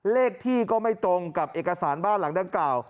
เลขที่ก็ไม่ตรงกับเอกสารบ้านหลังดังกล่าว